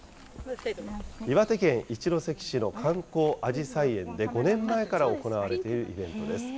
岩手県一関市の観光あじさい園で５年前から行われているイベントです。